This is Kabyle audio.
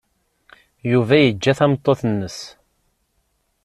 Yuba yeǧǧa tameṭṭut-nnes.